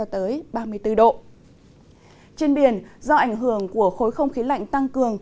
trên biển do ảnh hưởng của khối không khí lạnh tăng cường